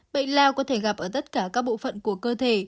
bệnh lao có thể gặp ở tất cả các bộ phận của cơ thể